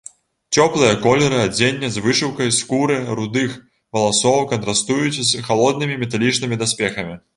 Цёплыя колеры адзення з вышыўкай, скуры, рудых валасоў кантрастуюць з халоднымі металічнымі даспехамі.